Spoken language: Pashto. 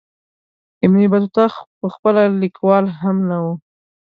ابن بطوطه پخپله لیکوال هم نه وو.